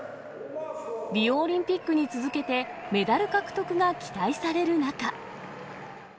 リオオリンピックに続けて、メダル獲得が期待される中。